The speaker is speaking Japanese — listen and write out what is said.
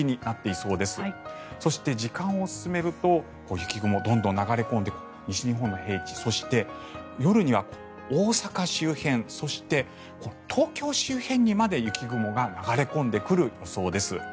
そして、時間を進めると雪雲、どんどん流れ込んで西日本の平地そして夜には大阪周辺そして、東京周辺にまで雪雲が流れ込んでくる予想です。